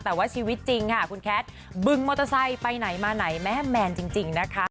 แต่ว่าชีวิตจริงค่ะคุณแคทบึงมอเตอร์ไซค์ไปไหนมาไหนแม่แมนจริงนะคะ